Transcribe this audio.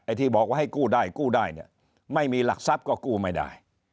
ที่บอกว่าให้กู้ได้กู้ได้เนี่ยไม่มีหลักทรัพย์ก็กู้ไม่ได้